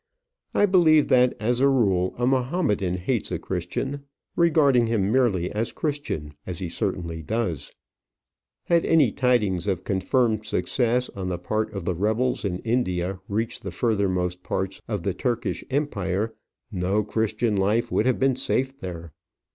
I believe that, as a rule, a Mahomedan hates a Christian: regarding him merely as Christian, he certainly does so. Had any tidings of confirmed success on the part of the rebels in India reached the furthermost parts of the Turkish empire, no Christian life would have been safe there.